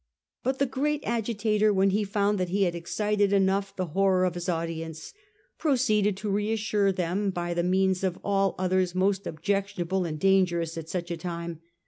But the great agitator, when he found that he had excited enough the horror of his audience, proceeded to reassure them by the means of all others most objectionable and danger ous at such a time.